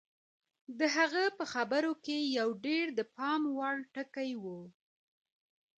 د هغه په خبرو کې یو ډېر د پام وړ ټکی و